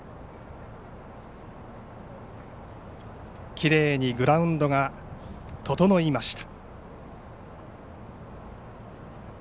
きれいにグラウンドが整いました。